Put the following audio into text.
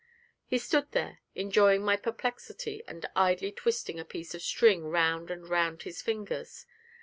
He stood there enjoying my perplexity and idly twisting a piece of string round and round his fingers.